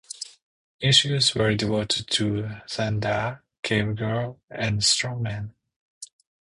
Issues were devoted to "Thun'da", "Cave Girl", and "Strongman".